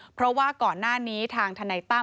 เพราะว่าก่อนหน้านี้ทางทนายตั้ม